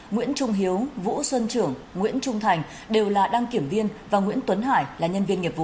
nguyễn trung hiếu vũ xuân trưởng nguyễn trung thành đều là đăng kiểm viên và nguyễn tuấn hải là nhân viên nghiệp vụ